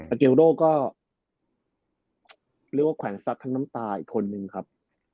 อาเคลโรต้์ก็เรียกว่าแขวนสตัฐส์ทางน้ำตาอีกคนหนึ่งครับ